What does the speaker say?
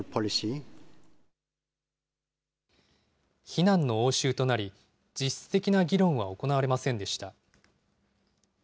非難の応酬となり、実質的な議論は行われませんでした。